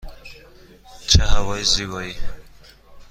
چه هوای زیبایی!